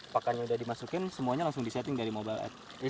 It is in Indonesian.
pakannya sudah dimasukkan semuanya langsung disetting dari mobile app